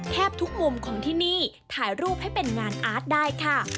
แทบทุกมุมของที่นี่ถ่ายรูปให้เป็นงานอาร์ตได้ค่ะ